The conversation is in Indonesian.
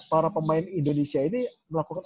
para pemain indonesia ini melakukan